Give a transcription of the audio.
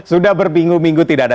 sudah berminggu minggu tidak ada